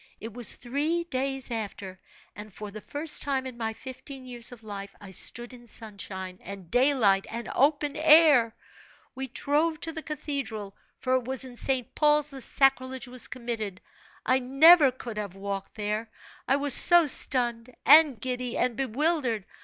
It was three days after, and for the first time in my fifteen years of life, I stood in sunshine, and daylight, and open air. We drove to the cathedral for it was in St. Paul's the sacrilege was committed. I never could have walked there, I was so stunned, and giddy, and bewildered.